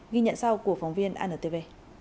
ghi nhận sau của phóng viên antv